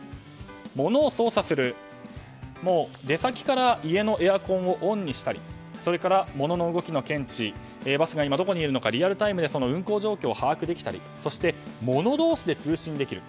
ものを操作する出先から家のエアコンをＯＮにしたりそれからモノの動きの検知バスが今どこにいるのかリアルタイムで運行状況を把握できたりもの同士で通信ができる。